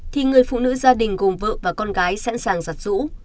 thì người phụ nữ gia đình gồm vợ và con gái sẵn sàng giặt rũ